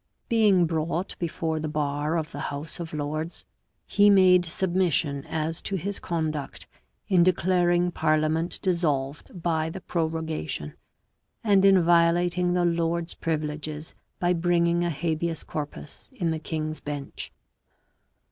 Being brought before the bar of the House of Lords he made submission as to his conduct in declaring parliament dissolved by the prorogation, and in violating the Lords' privileges by bringing a habeas corpus in the King's Bench.